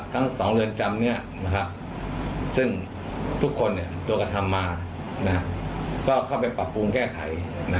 ทั้ง๒เรือนจำซึ่งทุกคนโดนกระทำมาก็เข้าไปปรับปรุงแก้ไข